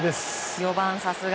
４番さすが。